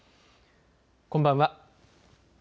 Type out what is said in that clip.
こんばんは。